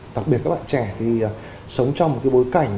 đặc biệt các bạn trẻ thì sống trong một cái bối cảnh